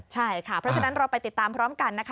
ใช่ค่ะเพราะฉะนั้นเราไปติดตามพร้อมกันนะคะ